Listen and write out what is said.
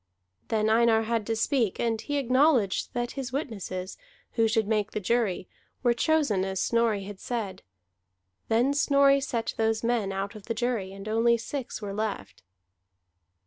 Then Einar had to speak; and he acknowledged that his witnesses, who should make the jury, were chosen as Snorri had said. Then Snorri set those men out of the jury, and only six were left.